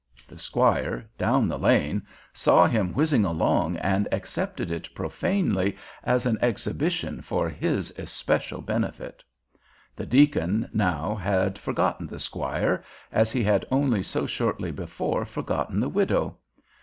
The squire, down the lane, saw him whizzing along and accepted it profanely as an exhibition for his especial benefit. The deacon now had forgotten the squire as he had only so shortly before forgotten the widow.